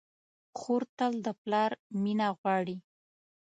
خور تل د پلار مینه غواړي.